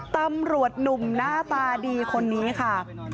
ตำรวจหนุ่มหน้าตาดีคนนี้ค่ะ